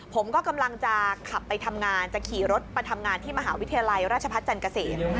ผมก็กำลังจะขับไปทำงานจะขี่รถมาทำงานที่มหาวิทยาลัยราชพัฒน์จันทร์เกษม